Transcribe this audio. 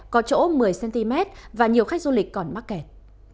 có chỗ một mươi cm và nhiều khách du lịch còn mắc kẹt